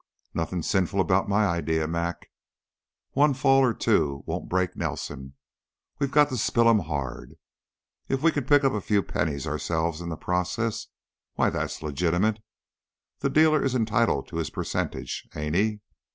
"Nothing sinful about my idea, Mac. One fall or two won't break Nelson; we've got to spill him hard. If we can pick up a few pennies ourselves in the process, why, that's legitimate. The dealer is entitled to his percentage, ain't he?